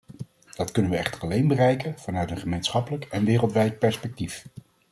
Dat kunnen we echter alleen bereiken vanuit een gemeenschappelijk en wereldwijd perspectief.